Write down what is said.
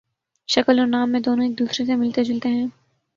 شکل اور نام میں دونوں ایک دوسرے سے ملتے جلتے ہیں